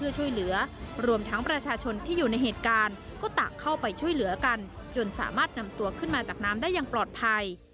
ช่วยเหลือกันจนสามารถนำตัวขึ้นมาจากน้ำได้อย่างปลอดภัย